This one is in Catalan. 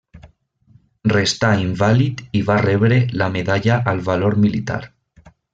Restà invàlid i va rebre la medalla al valor militar.